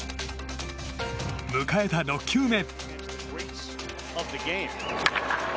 迎えた６球目。